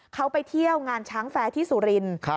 เขาไปเที่ยวงานช้างแฟร์ที่สุรินทร์